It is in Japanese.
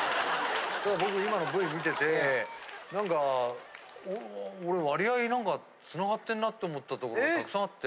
僕今のＶ見てて何か俺わりあい繋がってんなと思ったとこがたくさんあって。